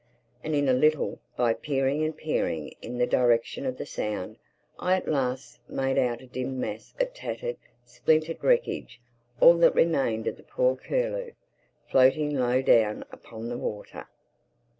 And in a little, by peering and peering in the direction of the sound, I at last made out a dim mass of tattered, splintered wreckage—all that remained of the poor Curlew—floating low down upon the water.